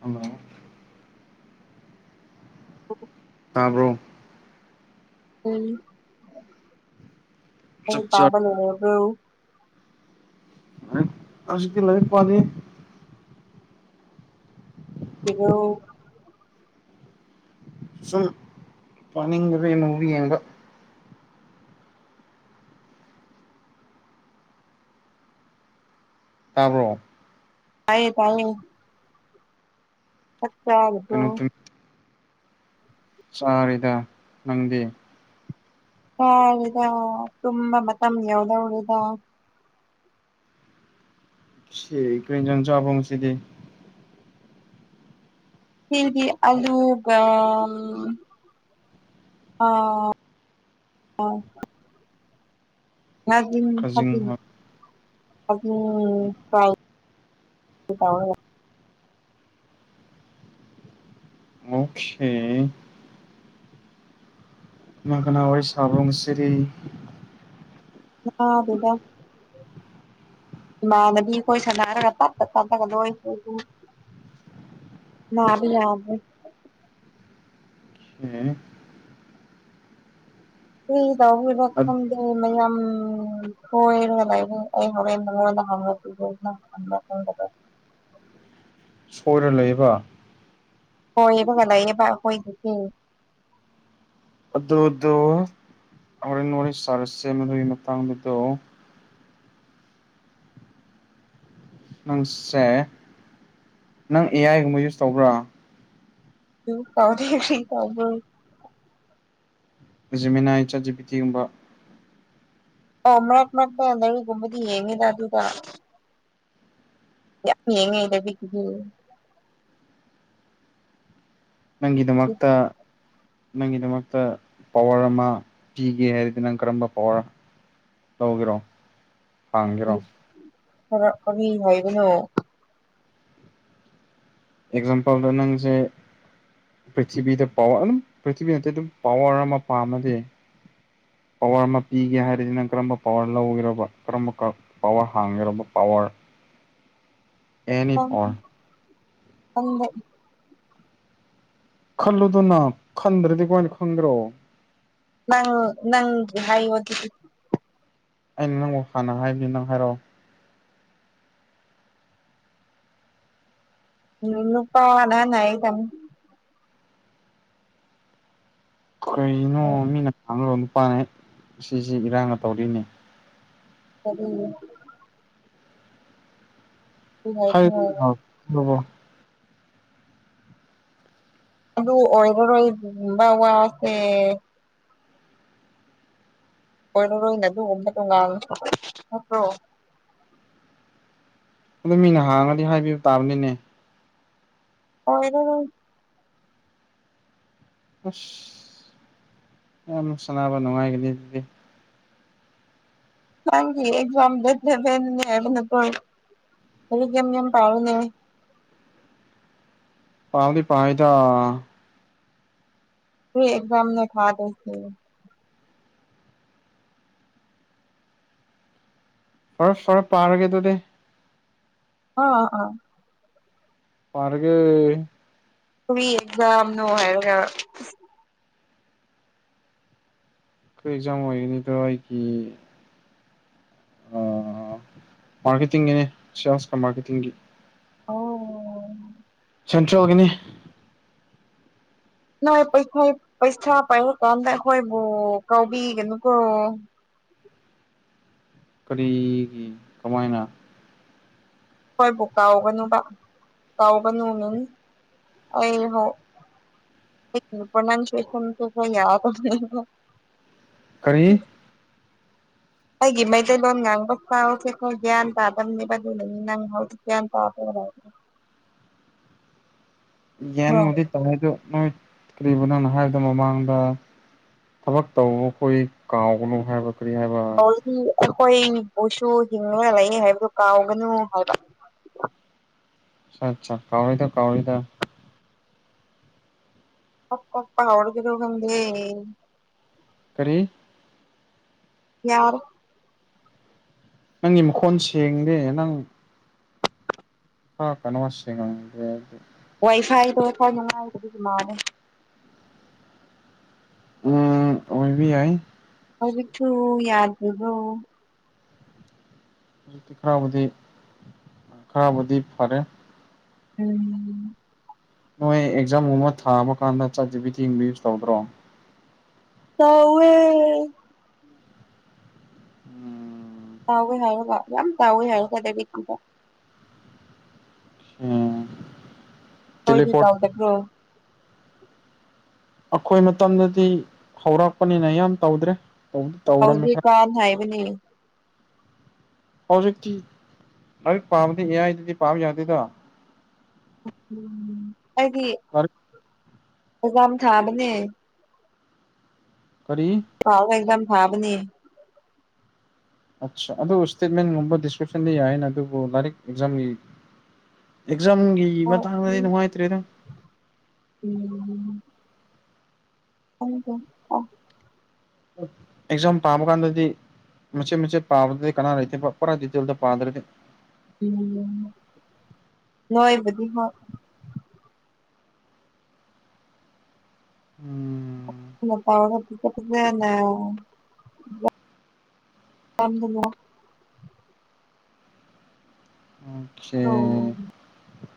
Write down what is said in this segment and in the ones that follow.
hello ꯑꯣ ꯇꯥꯕ꯭ꯔꯣ ꯎꯝ ꯅꯪ ꯆꯥꯛ ꯆꯥ ꯄꯥꯕ ꯂꯣꯢꯔꯕ꯭ꯔꯣ ꯑꯁ ꯍꯧꯖꯤꯛꯇꯤ ꯂꯥꯢꯔꯤꯛ ꯄꯥꯗꯦ ꯀꯩꯅꯣ ꯁꯨꯝ ꯄꯅꯤꯡꯗꯕꯩ ꯃꯨꯕꯤ ꯌꯦꯡꯕ ꯇꯥꯕ꯭ꯔꯣ ꯇꯥꯏꯌꯦ ꯇꯥꯏꯌꯦ ꯆꯥꯛ ꯆꯥꯔꯕ꯭ꯔꯣ ꯆꯥꯔꯤꯗ ꯅꯪꯗꯤ ꯆꯥꯔꯦꯗ ꯇꯨꯝꯕ ꯃꯇꯝ ꯌꯧꯗꯣꯔꯦꯗ ꯁꯤ ꯀꯩ ꯍꯦꯡꯖꯥꯡ ꯆꯥꯕ꯭ꯔꯣ ꯉꯁꯤꯗꯤ ꯑꯩꯕꯨꯗꯤ ꯑꯂꯨꯒ ꯑ ꯈꯖꯤꯡ [inaudible] ꯍꯣꯏ ꯇꯥꯎꯔꯒ ꯃꯣꯛꯈꯦ ꯀꯅꯥ ꯀꯅꯥ ꯋꯥꯔꯤ ꯁꯥꯕ꯭ꯔꯣ ꯉꯁꯤꯗꯤ ꯑ ꯑꯗꯨꯗ ꯏꯃꯥꯗꯗꯤ ꯑꯩꯈꯣꯏ ꯁꯥꯟꯅꯔꯒ ꯇꯠꯠꯇ ꯇꯥꯊꯒ ꯂꯣꯏꯈ ꯅꯕꯤ ꯌꯥꯕ ꯑꯦ ꯁꯤ ꯇꯧꯕ ꯑꯠ ꯈꯪꯗꯦ ꯃꯌꯥꯝ ꯊꯣꯏꯔꯒ ꯂꯩ ꯑꯩ ꯍꯣꯔꯦꯟꯉꯣꯟꯗ [unintelligible] ꯑꯟꯑꯣꯗꯤꯕꯜ ꯁꯣꯏꯔ ꯂꯩꯕ ꯍꯣꯏ ꯑꯗꯨꯒ ꯂꯌꯦꯕ ꯑꯩꯈꯣꯏꯒꯤꯖꯨ ꯑꯗꯨꯗꯣ ꯍꯣꯔꯦꯟ ꯅ ꯋꯥꯔꯤꯣꯔ ꯁꯥꯔꯁ ꯑꯗꯨꯒꯤ ꯃꯇꯥꯡꯗꯨꯗꯣ ꯅꯪ ꯁꯦ ꯅꯪ ꯑꯦ ꯑꯥꯏꯒꯨꯝꯕ ꯌꯨꯁ ꯇꯧꯕ꯭ꯔꯥ ꯀꯥꯎꯗ ꯇꯕꯨ ꯖꯃꯤꯅꯥꯏ ꯆꯠꯖꯕꯤꯇꯤꯒꯨꯝꯕ ꯑꯣꯃꯔꯠ ꯃꯥꯗ ꯑꯗꯔꯤ ꯨꯝꯕꯗꯤ ꯌꯦꯡꯃꯤ ꯂ ꯑꯗꯨꯗ ꯌꯥꯝ ꯌꯦꯡꯉ ꯂꯩꯕꯤ ꯅꯪꯒꯤꯗꯃꯛꯇ ꯅꯪꯒꯤꯗꯃꯛꯇ ꯄꯋꯥꯔ ꯑꯃ ꯄꯤꯒꯦ ꯍꯥꯏꯔꯗꯤ ꯅꯪ ꯀꯔꯝꯕ ꯄꯋꯥꯔ ꯂꯧꯒꯦꯔꯣ ꯍꯥꯡꯒꯦꯔꯣ ꯈꯔ ꯀꯔꯤ ꯅꯣꯏꯕꯅꯣ ꯑꯦꯛꯖꯥꯝꯄꯜꯗ ꯅꯪꯁꯦ ꯄ꯭ꯔꯤꯊꯤꯕꯤꯗ ꯄꯋꯥꯔ ꯑꯗꯨꯝ ꯄ꯭ꯔꯤꯊꯤꯕꯤ ꯅꯠꯇꯦ ꯑꯗꯨꯝ ꯄꯋꯥꯔ ꯑꯃ ꯄꯥꯝꯃꯗꯤ ꯄꯋꯥꯔ ꯑꯃ ꯄꯤꯒꯦ ꯍꯥꯏꯔꯁꯤꯅꯪ ꯀꯔꯝꯕ ꯄꯋꯥꯔ ꯂꯧꯒꯦꯕ ꯀꯔꯝꯕ ꯄꯋꯥꯔ ꯍꯥꯡꯒꯦꯕ ꯄꯋꯥꯔ ꯑꯦꯅꯤꯅꯤꯄꯣꯔ ꯑꯪꯕ ꯈꯜꯂꯨꯗꯅ ꯈꯟꯗ꯭ꯔꯗꯤ ꯀꯃꯥꯏꯅ ꯈꯪꯈ꯭ꯔꯣ ꯅꯪ ꯅꯪ ꯍꯥꯏ ꯑꯣꯏ ꯑꯩꯅ ꯅꯪꯕꯨ ꯍꯥꯟꯅ ꯍꯥꯏꯕꯅꯤ ꯅꯪ ꯍꯥꯏꯔꯛꯑꯣ ꯂꯅꯨꯄꯥ ꯑꯅ ꯅꯥꯏ ꯇꯃꯣ ꯀꯔꯤꯅꯣ ꯃꯤꯅ ꯈꯥꯡꯉꯂꯣ ꯅꯨꯄꯥꯅ ꯍꯦꯛ ꯁꯤꯁꯤ ꯏꯔꯥꯡꯅ ꯇꯧꯔꯤꯅꯦ ꯑꯗꯨ ꯍꯥꯏꯕꯅꯣ ꯑꯟꯏꯟꯇꯦꯜꯂꯤꯖꯦꯕꯜ ꯑꯗꯨ ꯑꯣꯏꯔꯔꯣꯏ ꯋꯥꯁꯦ ꯑꯣꯏꯔꯔꯣꯏꯅ ꯑꯗꯨꯒꯕ ꯇꯉ ꯅꯠꯇ꯭ꯔꯣ ꯑꯗꯨ ꯃꯤꯅ ꯍꯥꯡꯉꯗꯤ ꯍꯥꯏꯕꯤꯕ ꯇꯥꯕꯅꯤꯅꯦ ꯑꯣꯏꯔꯔꯣꯏ ꯑꯁ ꯌꯥꯝ ꯁꯅꯥꯅꯕ ꯅꯨꯡꯉꯥꯏꯒꯅꯤ ꯑꯗꯨꯗꯤ ꯍꯥꯡꯒꯤ ꯑꯦꯛꯖꯥꯝ ꯗꯠꯇꯦꯅꯦ ꯍꯥꯏꯕꯅ ꯍꯧꯒꯝ ꯌꯥꯝ ꯄꯥꯔꯅꯦ ꯄꯥꯗꯤ ꯄꯥꯏꯗ ꯑꯦꯖꯝ ꯊꯥꯗꯁꯤ ꯐꯔ ꯐꯔ ꯄꯥꯔꯒꯦ ꯑꯗꯨꯗꯤ ꯑꯥ ꯑꯥ ꯄꯥꯔꯒꯦ ꯑꯟꯏꯟꯇꯦꯜꯂꯤꯖꯦꯕꯜ ꯑꯟꯏꯟꯇꯦꯜꯂꯤꯖꯦꯕꯜ ꯑ ꯃꯔꯀꯦꯇꯤꯡꯅꯦꯁ ꯀ ꯃꯥꯔꯀꯦꯇꯤꯡꯒꯤ ꯑꯣ ꯁꯦꯟꯇ꯭ꯔꯦꯜꯒꯤꯅꯤ ꯅꯣꯏꯩꯈ ꯄꯩꯁꯥ ꯄꯥꯏꯔꯛꯀꯥꯟꯗ ꯑꯩꯈꯣꯏꯕꯨ ꯀꯥꯎꯕꯤ ꯀꯅꯨꯀꯣ ꯀꯔꯤꯒꯤ ꯀꯃꯥꯏꯅ ꯍꯣꯏꯕꯨ ꯀꯥꯎꯒꯅꯨꯕ ꯀꯥꯎꯒꯅꯨ ꯃꯤꯟ ꯑ ꯍꯣꯏ ꯄ꯭ꯔꯣꯅꯥꯎꯟꯁꯤꯌꯦꯁꯟꯁꯨ ꯌꯥ ꯈꯔꯤ ꯑꯩꯒꯤ ꯃꯩꯇꯩꯕ ꯅꯪꯕꯦꯒ ꯒꯤꯌꯥ ꯇꯕꯅꯤꯕ ꯅꯪ ꯒꯤꯌꯥ ꯇ ꯑꯣ [unintelligible] [unintelligible] ꯍꯧꯖꯤꯛꯇꯤ ꯋꯦꯕꯨꯗꯤ ꯇꯣꯔꯣꯗꯣ ꯅꯣꯏ ꯀꯔꯤꯕ ꯅꯪꯅꯣ ꯍꯥꯏꯗ ꯃꯃꯥꯡꯗ ꯊꯕꯛ ꯇꯧꯕꯈꯣꯏ ꯀꯥꯎꯒꯅꯨ ꯍꯥꯏꯕ ꯄꯈ꯭ꯔꯤ ꯍꯥꯏꯕ ꯑꯩꯈꯣꯏꯕꯨꯁꯨ ꯍꯤꯡꯉꯒ ꯂꯩꯅꯤ ꯍꯥꯏꯕꯗꯨ ꯀꯥꯎꯒꯅꯨ ꯍꯥꯏꯕ ꯀꯥꯎꯔꯤꯗ ꯀꯥꯎꯔꯤꯗ ꯀꯞ ꯀꯞ ꯄꯥꯎꯔꯒꯔꯣ ꯈꯗ ꯀꯔꯤ ꯌꯥꯔ ꯅꯪꯒꯤ ꯃꯈꯣꯟ ꯁꯦꯡꯗꯦ ꯅꯪ ꯍ ꯀꯅꯃꯁꯦꯡ ꯉꯦ ꯋꯥꯏ ꯐꯥꯏꯗ ꯐꯅꯨꯡꯉꯥꯏꯗꯗꯤꯃꯦ ꯎꯝ ꯑꯣꯏꯕꯤ ꯍꯥꯏ ꯍꯧꯖꯤꯛꯁꯨ ꯌꯥꯗꯕꯨꯣ ꯍꯧꯖꯤꯛꯇꯤ ꯈꯔꯕꯨꯗꯤ ꯈꯔꯕꯨꯗꯤ ꯐꯔꯦ ꯎꯝ ꯅꯣꯏ ꯑꯦꯛꯖꯥꯝꯒꯨꯝ ꯑꯃ ꯊꯥꯕ ꯀꯥꯟꯗ ꯆꯠꯇꯗꯕꯤ ꯊꯤꯡꯕꯤꯌꯨ ꯇꯧꯗ꯭ꯔꯣ ꯎꯋꯦ ꯇꯥꯎ ꯍꯥꯏꯒ ꯌꯥꯝ ꯇꯥꯎ ꯍꯥꯏꯒꯗꯕꯇ ꯎꯝ ꯍꯣꯏꯗꯤ ꯇꯦꯂꯤꯄꯣꯔꯠ ꯇꯗꯈ꯭ꯔꯣ ꯑꯩꯈꯣꯏ ꯃꯇꯝꯗꯗꯤ ꯍꯧꯔꯛꯄꯅꯤꯅ ꯌꯥꯝ ꯇꯧꯗ꯭ꯔꯦ ꯇꯧꯔꯝꯃꯦ ꯍꯧꯖꯤꯛꯀꯥꯟ ꯍꯥꯏꯕꯅꯦ ꯍꯧꯖꯤꯛꯇꯤ ꯍꯧꯖꯤꯛ ꯄꯥꯝꯗꯤ ꯌꯥꯌꯥꯗꯨꯗꯤ ꯄꯥꯝ ꯌꯥꯗꯦꯗ ꯎꯝ ꯑꯩꯗꯤ ꯂꯥꯏꯔꯤꯛ ꯑꯦꯛꯖꯥꯝ ꯊꯥꯕꯅꯦ ꯀꯔꯤ ꯊꯥꯎ ꯑꯦꯗꯝꯝ ꯊꯥꯕꯅꯤ ꯑ ꯑꯗꯨ ꯏꯁꯇꯦꯠꯃꯦꯟꯒꯨꯝꯕ ꯗꯤꯁꯀ꯭ꯔꯤꯞꯁꯟꯗ ꯌꯥꯏꯅ ꯑꯗꯨꯕꯨ ꯂꯥꯏꯔꯤꯛ ꯑꯦꯛꯖꯥꯝꯒꯤ ꯑꯦꯛꯖꯝꯒꯤ ꯍꯣꯏ ꯃꯇꯥꯡꯗꯗꯤ ꯅꯨꯡꯉꯥꯏꯇ꯭ꯔꯦꯗꯪ ꯎ ꯍ ꯑ ꯑꯦꯛꯖꯥꯝ ꯄꯥꯕ ꯀꯥꯟꯗꯗꯤ ꯃ ꯎꯆꯆꯦ ꯃ ꯎꯆꯆꯦ ꯄꯥꯕꯗ ꯀꯅꯥ ꯂꯩꯇꯔꯗꯤꯗꯤꯗ ꯄꯥꯗꯦ ꯎꯝ ꯅꯣꯏꯕꯗꯤ ꯍ ꯎꯝ ꯇꯧꯔꯒ ꯐꯖ ꯅ ꯀꯝꯗꯣ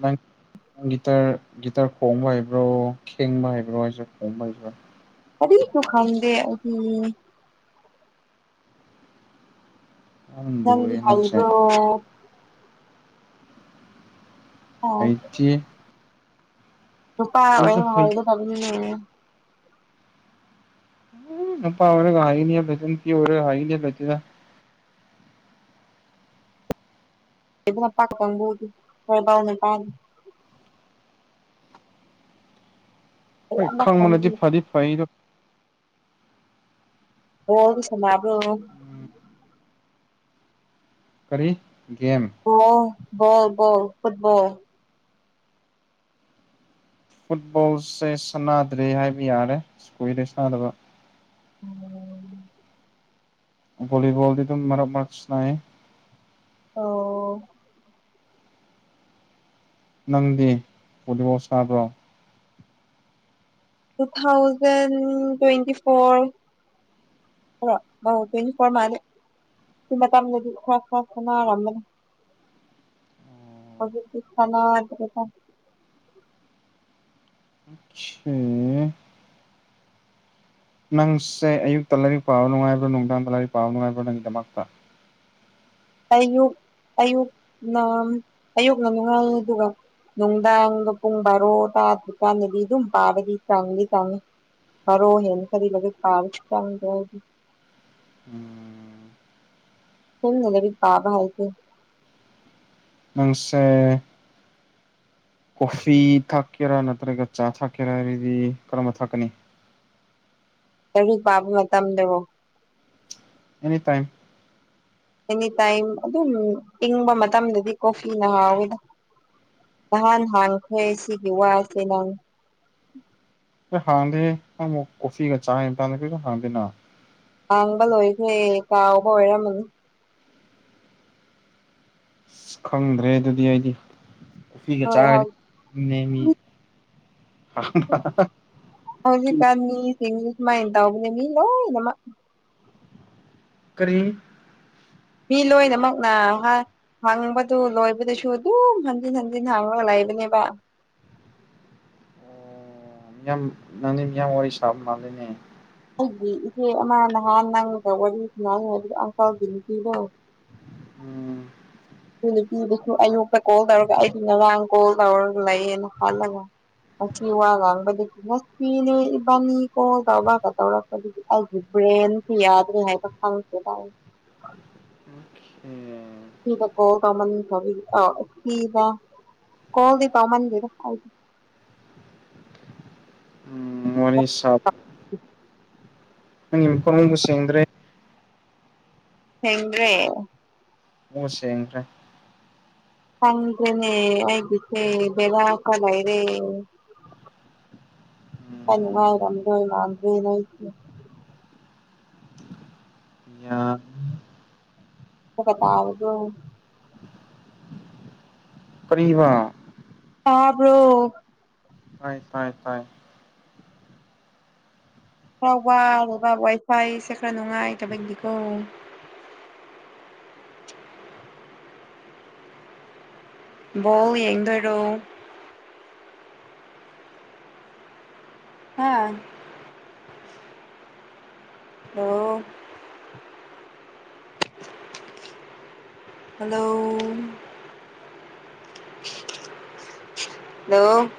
ꯅꯪ ꯒꯤꯇꯔ ꯒꯤꯇꯥꯔ ꯈꯣꯡꯕ ꯍꯕ꯭ꯔꯣ ꯈꯦꯡꯕ ꯍꯥꯏꯕ꯭ꯔꯣ ꯍꯥꯏꯁꯦ ꯈꯣꯡꯕ ꯍꯕ꯭ꯔꯥ ꯑꯔꯤꯁꯨꯨ ꯈꯪꯗꯦ ꯑ ꯌꯥꯝ ꯂꯨꯔꯦ ꯅꯪꯒꯤ ꯅꯪꯁꯦ ꯍꯜꯒꯣ ꯑ ꯀꯩꯆꯦ ꯅꯨꯄꯥ ꯑꯣꯏ ꯋꯥꯜꯗ ꯇꯅꯤ ꯎꯝ ꯑꯔ ꯀ ꯄꯔ ꯀ ꯄꯗ ꯅ ꯄ ꯇꯪꯝꯕꯗꯤ ꯍ ꯇꯥꯎꯅ ꯀꯥꯗ ꯑꯩ ꯑꯃ ꯈꯪ ꯃꯅꯖꯤ ꯈꯪꯗꯦ ꯐꯥꯗꯤ ꯐꯗ ꯍ ꯑꯗꯨ ꯁꯃꯕ꯭ꯔꯣ ꯈꯔꯤ ꯑꯣ ꯕꯣꯜ ꯕꯣꯜ ꯐꯨꯠꯕꯣꯜ ꯐꯨꯠꯕꯣꯜꯁꯦ ꯁꯥꯟꯅꯗ꯭ꯔꯦ ꯍꯥꯏꯕ ꯌꯥꯔꯦ ꯀꯨꯏꯔꯦ ꯁꯥꯟꯅꯗꯕ ꯎꯝ ꯕꯣꯂꯤꯕꯣꯜꯗꯤ ꯑꯗꯨ ꯃꯔꯛ ꯃꯔꯛꯇ ꯁ ꯑꯣ ꯅꯪꯗꯤ ꯚꯣꯂꯤꯕꯣꯜ ꯁꯥꯕ꯭ꯔꯣ ꯇꯨ ꯊꯥꯎꯖꯟ ꯇ꯭ꯋꯦꯟꯇꯤ ꯐꯣꯔ ꯍ ꯀꯔ ꯃꯥꯅꯤꯦ ꯁꯤ ꯃꯇꯝꯗꯗꯤ ꯈꯔ ꯈꯔ ꯈ ꯅꯥꯔꯝꯕꯅꯤ ꯑꯣ ꯑꯣꯀꯦ ꯊꯅꯗꯗ ꯑ ꯅꯪꯁꯦ ꯑꯌꯨꯛꯇ ꯂꯥꯏꯔꯤꯛ ꯄꯥꯕ ꯅꯨꯡꯉꯥꯏꯕ꯭ꯔꯣ ꯅꯨꯡꯗꯥꯡꯗ ꯂꯥꯏꯔꯤꯛ ꯄꯥꯕ ꯅꯨꯡꯉꯥꯏꯕ꯭ꯔꯣ ꯅꯪꯒꯤꯗꯃꯛꯇ ꯑꯌꯨꯛ ꯑꯌꯨꯛꯅ ꯑꯌꯨꯛꯅ ꯅꯨꯡꯉꯥꯜꯂꯤ ꯑꯗꯨꯒ ꯅꯨꯡꯗꯥꯡꯗꯣ ꯄꯨꯡ ꯕꯥꯔꯣ ꯇꯥꯗ꯭ꯔꯤꯀꯥꯟꯗꯗꯤ ꯑꯗꯨꯝ ꯄꯥꯔꯗꯤ ꯆꯥꯡꯗꯤ ꯆꯪꯏꯤ ꯃꯔ ꯑꯣꯏ ꯍꯦꯅꯤ ꯈꯔꯤ ꯂꯒꯦ ꯀꯥꯔ ꯆꯪ ꯎꯝ ꯐꯨꯝ ꯅꯂꯕꯤ ꯄꯥꯕ ꯍꯥꯏꯛꯇ ꯉꯪꯁ ꯀꯣꯐꯤ ꯊꯥꯛꯀꯦꯔꯥ ꯅꯠꯇ꯭ꯔꯒ ꯆꯥ ꯊꯥꯛꯀꯦꯔꯥ ꯍꯥꯏꯔꯗꯤ ꯀꯔꯝꯕ ꯊꯥꯛꯀꯅꯤ ꯀꯔꯤ ꯄꯥꯕ ꯃꯇꯝꯗꯨꯕꯨꯣ ꯑꯦꯅꯤ ꯇꯥꯏꯝ ꯑꯦꯅꯤ ꯇꯥꯏꯝ ꯑꯗꯨꯝ ꯏꯪꯕ ꯃꯇꯝꯗꯗꯤ ꯀꯣꯐꯤꯅ ꯍꯥꯎꯋꯤꯗ ꯅꯍꯥꯟ ꯍꯥꯡꯈ꯭ꯔꯦ ꯁꯤꯒꯤ ꯋꯥꯁꯦ ꯅꯍꯥꯟ ꯍꯥꯡꯗꯦ ꯑꯃꯨꯛ ꯀꯣꯐꯤꯒ ꯆꯥꯥꯡꯗ ꯍꯥꯡꯗꯦꯅ ꯍꯥꯡꯕ ꯂꯣꯏꯈ꯭ꯔꯦ ꯀꯥꯎꯕ ꯑꯣꯏꯔꯝꯃꯅꯤ ꯑꯁ ꯈꯪꯗ꯭ꯔꯦ ꯑꯗꯨꯗꯤ ꯑꯩꯗꯤ ꯀꯐꯤꯒ ꯍꯣꯏ ꯆꯥꯒꯗꯤ ꯍꯣꯏ ꯅꯦꯝꯃꯤ ꯍꯧꯖꯤ ꯀꯅꯤ ꯏꯁ ꯃꯥ ꯏꯟ ꯇꯕ ꯃꯤ ꯂꯧ ꯀꯔꯤ ꯃꯤ ꯂꯣꯏꯅꯃꯛꯅ ꯍꯪꯕꯗꯨ ꯂꯣꯏꯕꯗꯨꯁꯨ ꯑꯗꯨꯝ ꯍꯟꯖꯤꯟ ꯍꯟꯖꯤꯟ ꯍꯥꯡꯉꯒ ꯂꯥꯏ ꯅꯦꯕ ꯑꯣ ꯃꯤꯌꯥꯝ ꯅꯪꯗꯤ ꯃꯤꯌꯥꯝ ꯋꯥꯔꯤ ꯁꯥꯕ ꯃꯥꯜꯂꯤꯅꯦ ꯑꯩꯒꯤ ꯏꯆꯦ ꯑꯃ ꯅꯍꯥꯟ ꯅꯪꯒ ꯋꯥꯔꯤ ꯁꯅꯏ ꯑꯗꯨꯒ ꯑꯪꯀꯜꯒꯤ ꯅꯨꯄꯤꯗꯣ ꯎꯝ ꯑꯗꯨ ꯅꯨꯄꯤꯗꯨꯁꯨ ꯑꯌꯣꯛꯛꯇ ꯀꯣꯜ ꯇꯧꯔꯒ ꯑꯩꯁꯨ ꯉꯔꯥꯡ ꯀꯣꯜ ꯇꯧꯔꯒ ꯂꯩꯌꯦꯅ ꯈꯜꯂꯒ ꯍꯁꯤ ꯋꯥꯒ ꯍꯪꯕꯁꯤꯅꯦꯕꯅꯤ ꯀꯣ ꯇꯕ ꯇꯧꯔꯄꯕ꯭ꯔ ꯇ꯭ꯔꯦꯦꯟꯁꯤ ꯌꯥꯗ ꯍꯥꯏ ꯇ ꯈꯦ ꯇ ꯎꯝ ꯗ ꯀꯣ ꯀꯃꯅꯤ ꯑꯗ ꯀꯣꯜꯗ ꯄ ꯃꯟꯖꯗ [unintelligible] ꯃꯅꯤ ꯁꯥꯞ ꯅꯪ ꯏ ꯐꯣꯔ ꯃꯕꯨꯁꯦꯡꯗ꯭ꯔꯦ ꯊꯦꯡꯡ꯭ꯔꯦ ꯑꯣ ꯁꯦꯡ꯭ꯔꯦ ꯈꯗ꯭ꯔꯅꯦ ꯑꯩꯒꯤꯁꯦ ꯂ ꯀꯂꯥꯏꯔꯦ ꯀꯅꯤ ꯎꯝ ꯋꯥꯥꯏ ꯔꯝꯖ ꯃꯥꯗꯑꯣ ꯅ ꯌꯥ ꯄꯇꯥꯒ ꯀꯕ ꯍꯥꯥꯕ꯭ꯔꯣ ꯍ ꯍ ꯍ ꯔꯥꯎꯕ ꯑꯕ ꯋꯥꯏꯐꯥꯏ ꯁꯦꯀ꯭ꯔ ꯅꯉꯥꯏ ꯇꯕꯗꯤ ꯀꯧꯕ ꯑ ꯕꯣꯜ ꯌꯦꯡꯗꯣꯏꯔꯣ ꯍꯥꯥ ꯑꯣ ꯍꯜꯂꯣ ꯍꯂꯣ